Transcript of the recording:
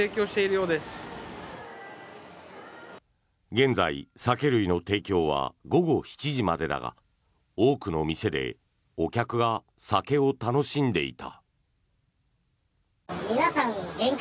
現在、酒類の提供は午後７時までだが多くの店でお客が酒を楽しんでいた。